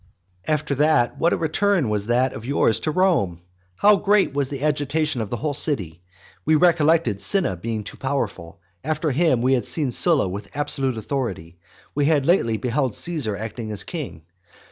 After that what a return was that of yours to Rome! How great was the agitation of the whole city! We recollected Cinna being too powerful; after him we had seen Sylla with absolute authority, and we had lately beheld Caesar acting as king.